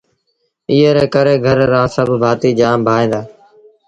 ايئي ري ڪري گھر رآ سڀ ڀآتيٚ جآم ڀائيٚݩ دآ